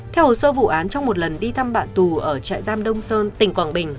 theo hồ sơ vụ án trong một lần đi thăm bạn tù ở trại giam đông sơn tỉnh quảng bình